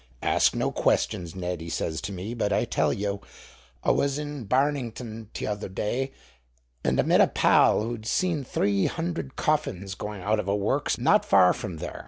"'Ask no questions, Ned,' he says to me, 'but I tell yow a' was in Bairnigan t'other day, and a' met a pal who'd seen three hundred coffins going out of a works not far from there.